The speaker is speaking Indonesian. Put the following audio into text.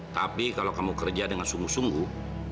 tapi kalau kamu kerja dengan sungguh sungguh